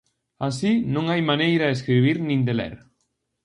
Así non hai maneira de escribir nin de ler.